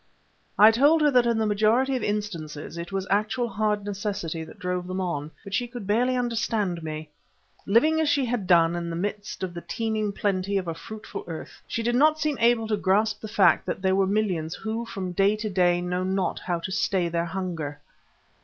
I told her that in the majority of instances it was actual hard necessity that drove them on, but she could barely understand me. Living as she had done, in the midst of the teeming plenty of a fruitful earth, she did not seem to be able to grasp the fact that there were millions who from day to day know not how to stay their hunger.